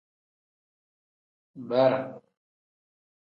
Baaraa.